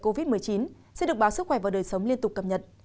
covid một mươi chín sẽ được báo sức khỏe và đời sống liên tục cập nhật